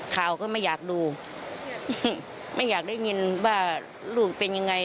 ข่าวก็ไม่อยากดูไม่อยากได้ยินว่าลูกเป็นยังไง